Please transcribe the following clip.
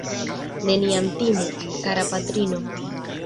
Neniam timu, kara patrino!